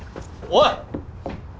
おい！